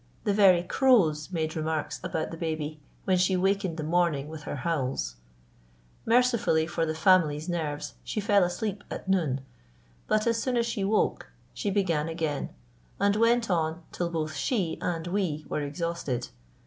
The very crows made remarks about the baby when she wakened the morning with her howls. Mercifully for the family's nerves she fell asleep at noon; but as soon as she woke she began again, and went on till both she and we were exhausted.